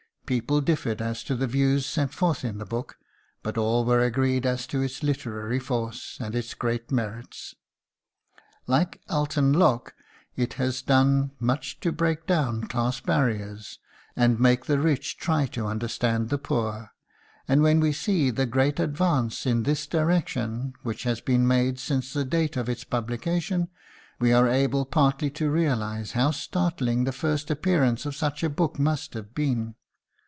People differed as to the views set forth in the book, but all were agreed as to its literary force and its great merits. Like "Alton Locke," it has done much to break down class barriers and make the rich try to understand the poor; and when we see the great advance in this direction which has been made since the date of its publication, we are able partly to realise how startling the first appearance of such a book must have been.